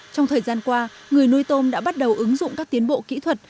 trong thời gian qua người nuôi tôm đã bắt đầu ứng dụng các tiến bộ kỹ thuật